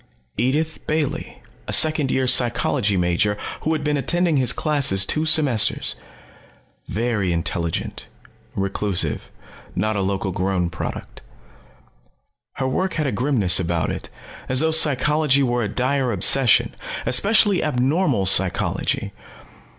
Edith Bailey, a second year psychology major who had been attending his classes two semesters. Very intelligent, reclusive, not a local grown product. Her work had a grimness about it, as though psychology was a dire obsession, especially abnormal psychology.